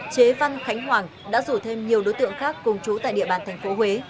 chế văn khánh hoàng đã rủ thêm nhiều đối tượng khác cùng chú tại địa bàn tp huế